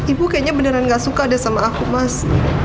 ibu kayaknya beneran gak suka deh sama aku mas